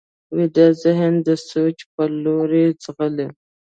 ویده ذهن د سوچ پر لور ځغلي